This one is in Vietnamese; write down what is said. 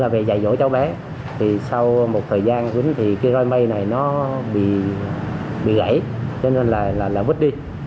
về dạy dỗ cháu bé thì sau một thời gian cứng thì cái gói mây này nó bị gãy cho nên là vứt đi